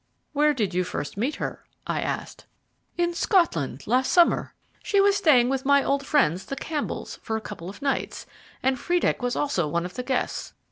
"Where did you first meet her?" I asked. "In Scotland last summer. She was staying with my old friends, the Campbells, for a couple of nights, and Friedeck was also one of the guests.